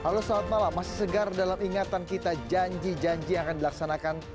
halo selamat malam masih segar dalam ingatan kita janji janji yang akan dilaksanakan